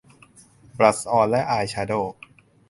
บลัชออน และอายแชโดว์